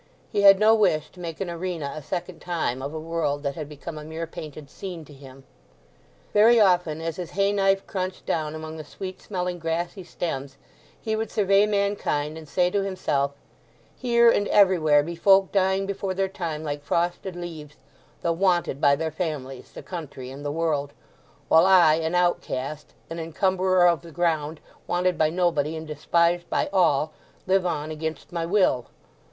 He had no wish to make an arena a second time of a world that had become a mere painted scene to him. Very often, as his hay knife crunched down among the sweet smelling grassy stems, he would survey mankind and say to himself: "Here and everywhere be folk dying before their time like frosted leaves, though wanted by their families, the country, and the world; while I, an outcast, an encumberer of the ground, wanted by nobody, and despised by all, live on against my will!"